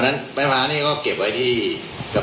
เดี๋ยวไอ้ชุดเดี๋ยวเนี่ยก็มาอยู่ที่แม่ค้าแผงที่สี่นะครับ